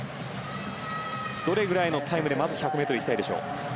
どれぐらいのタイムで１００ｍいきたいでしょうか？